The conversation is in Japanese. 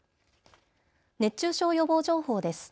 熱中症予防情報です。